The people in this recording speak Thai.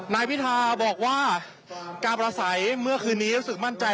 นายพิธาบอกว่าการประสัยเมื่อคืนนี้รู้สึกมั่นใจ